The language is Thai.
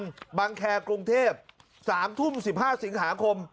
บังแครกรุงเทพ๓ทุ่ม๑๕สิงหาคม